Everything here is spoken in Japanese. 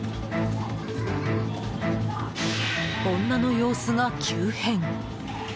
女の様子が急変。